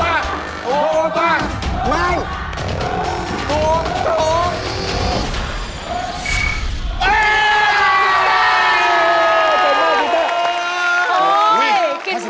เย้ขอบคุณพี่เต้อ